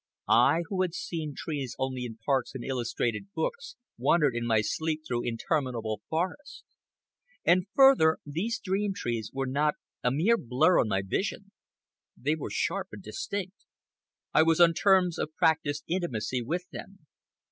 I, who had seen trees only in parks and illustrated books, wandered in my sleep through interminable forests. And further, these dream trees were not a mere blur on my vision. They were sharp and distinct. I was on terms of practised intimacy with them.